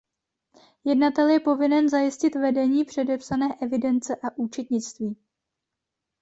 Jednatel je povinen zajistit vedení předepsané evidence a účetnictví.